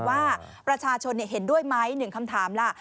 ว่าประชาชนเห็นด้วยไหมหนึ่งคำถามล่ะ